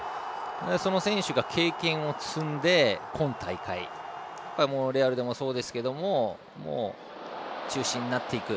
その選手が経験を積んで今大会レアルでもそうですけども中心になっていく。